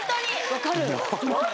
分かる。